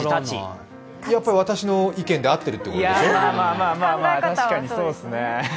やっぱり私の意見で合ってるということでしょう？